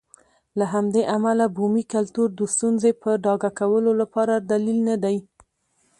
له همدې امله بومي کلتور د ستونزې په ډاګه کولو لپاره دلیل نه دی.